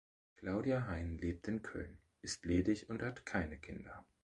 Claudia Hein lebt in Köln, ist ledig und hat keine Kinder.